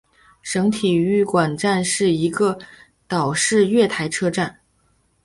省体育馆站是一个岛式月台车站。